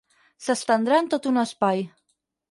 S'estendrà en tot un espai.